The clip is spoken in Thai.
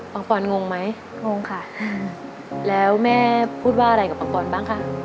ปอนงงไหมงงค่ะแล้วแม่พูดว่าอะไรกับปังปอนบ้างคะ